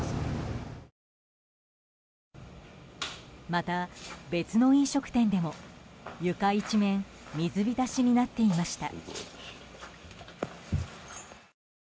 また別の飲食店でも、床一面水浸しになっていました。